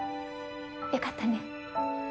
よかったね。